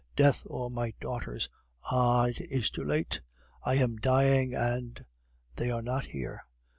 Death or my daughters!... Ah! it is too late, I am dying, and they are not here!...